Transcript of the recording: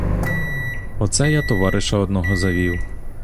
Оце я товариша одного завів.